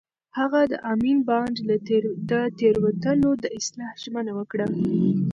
هغه د امین بانډ د تېروتنو د اصلاح ژمنه وکړه.